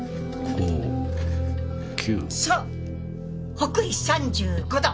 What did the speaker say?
北緯３５度。